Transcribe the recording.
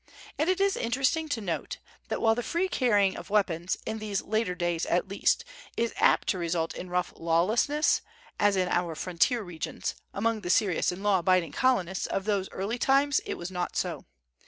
And it is interesting to notice that, while the free carrying of weapons, in these later days at least, is apt to result in rough lawlessness, as in our frontier regions, among the serious and law abiding Colonists of those early times it was not so.